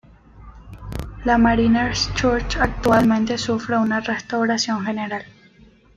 La "Mariners' Church" actualmente sufre una restauración general.